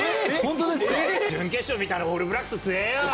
準決勝見たら、オールブラックスつええよ。